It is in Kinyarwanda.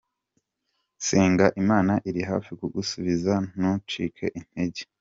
senga imana irihafi kugusubiza ntucike intege.